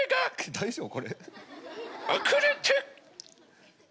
大丈夫？